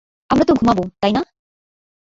আমরা তো ঘুমাবো, তাই না?